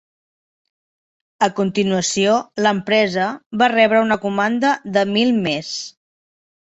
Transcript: A continuació, l'empresa va rebre una comanda de mil més.